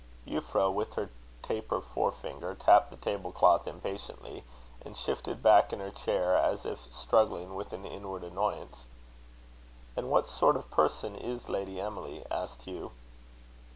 Euphra, with her taper fore finger, tapped the table cloth impatiently, and shifted back in her chair, as if struggling with an inward annoyance. "And what sort of person is Lady Emily?" asked Hugh.